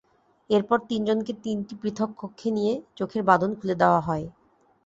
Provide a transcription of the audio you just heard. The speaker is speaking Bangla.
এরপর তিনজনকে তিনটি পৃথক কক্ষে নিয়ে চোখের বাঁধন খুলে দেওয়া হয়।